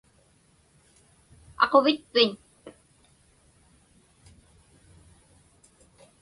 Aquvitpiñ?